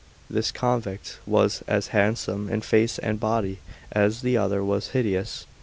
This convict was as handsome in face and body as the other was hideous.